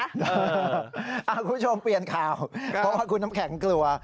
คุณผู้ชมเปลี่ยนข่าวเพราะว่าคุณน้ำแข็งกลัว